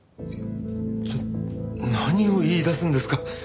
ちょっ何を言い出すんですか？